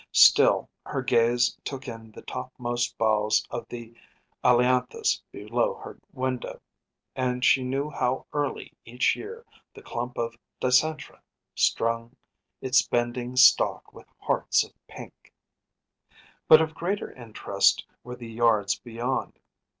Still, her gaze took in the topmost boughs of the ailanthus below her window, and she knew how early each year the clump of dicentra strung its bending stalk with hearts of pink. But of greater interest were the yards beyond.